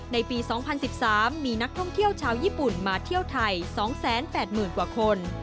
ในปี๒๐๑๓มีนักท่องเที่ยวชาวญี่ปุ่นมาเที่ยวไทย๒๘๐๐๐กว่าคน